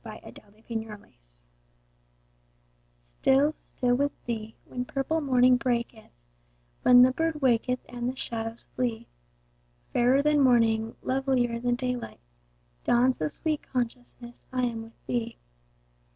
Y Z Still, Still with Thee STILL, still with Thee, when purple morning breaketh, When the bird waketh and the shadows flee; Fairer than morning, lovilier than daylight, Dawns the sweet consciousness I am with Thee.